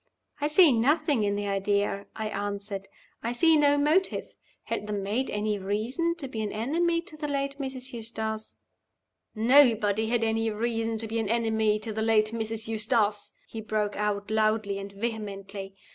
"I see nothing in the idea," I answered. "I see no motive. Had the maid any reason to be an enemy to the late Mrs. Eustace?" "Nobody had any reason to be an enemy to the late Mrs. Eustace!" he broke out, loudly and vehemently.